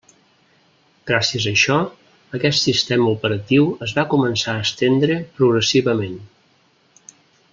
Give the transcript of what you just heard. Gràcies a això, aquest sistema operatiu es va començar a estendre progressivament.